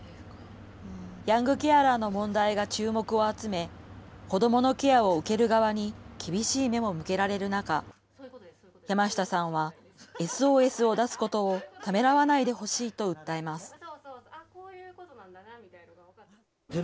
ヤングケアラーの問題が注目を集め、子どものケアを受ける側に厳しい目も向けられる中、山下さんはＳＯＳを出すことをためらわないでほしいと訴えます。